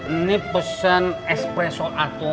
ini pesan espresso aku